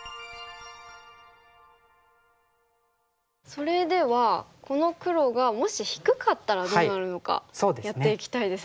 それではこの黒がもし低かったらどうなるのかやっていきたいですね。